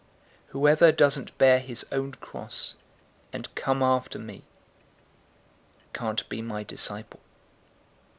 014:027 Whoever doesn't bear his own cross, and come after me, can't be my disciple.